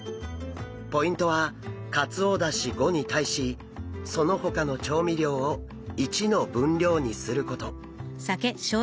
ポイントはカツオだし５に対しそのほかの調味料を１の分量にすること。